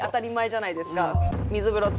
じゃないですか。